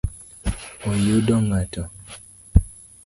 Oyudo ng’ato?